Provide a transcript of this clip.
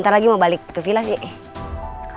ntar lagi mau balik ke villa sih